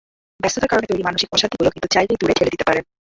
ব্যস্ততার কারণে তৈরি মানসিক অশান্তিগুলো কিন্তু চাইলেই দূরে ঠেলে দিতে পারেন।